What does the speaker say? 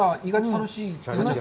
楽しい！